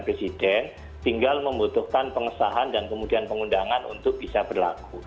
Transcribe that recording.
presiden tinggal membutuhkan pengesahan dan kemudian pengundangan untuk bisa berlaku